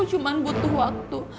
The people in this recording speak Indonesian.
aku cuma butuh waktu